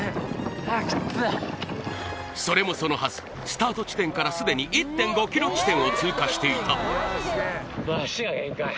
スタート地点からすでに１．５ｋｍ地点を通過していた